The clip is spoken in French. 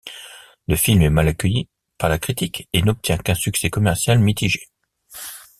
Le film est mal accueilli par la critique et n'obtient qu'un succès commercial mitigé.